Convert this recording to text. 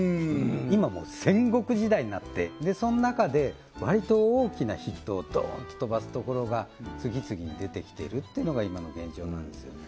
今もう戦国時代になってその中で割と大きなヒットをドーンと飛ばすところが次々に出てきてるってのが今の現状なんですよね